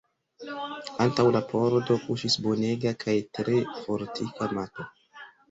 Antaŭ la pordo kuŝis bonega kaj tre fortika mato.